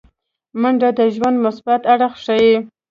منډه د ژوند مثبت اړخ ښيي